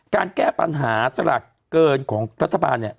การแก้ปัญหาสลักเกินของรัฐบาล